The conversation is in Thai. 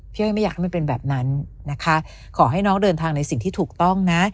อ้อยไม่อยากให้มันเป็นแบบนั้นนะคะขอให้น้องเดินทางในสิ่งที่ถูกต้องนะ